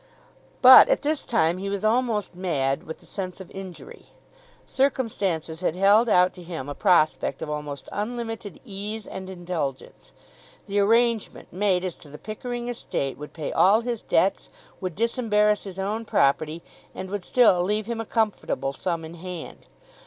But at this time he was almost mad with the sense of injury. Circumstances had held out to him a prospect of almost unlimited ease and indulgence. The arrangement made as to the Pickering estate would pay all his debts, would disembarrass his own property, and would still leave him a comfortable sum in hand.